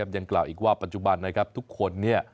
ยังกล่าวอีกว่าปัจจุบันนะครับทุกคน